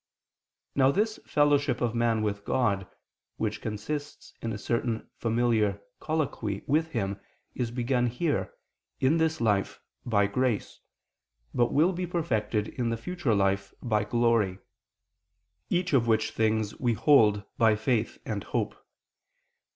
Now this fellowship of man with God, which consists in a certain familiar colloquy with Him, is begun here, in this life, by grace, but will be perfected in the future life, by glory; each of which things we hold by faith and hope.